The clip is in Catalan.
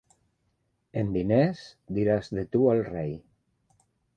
Amb diners diràs de tu al rei.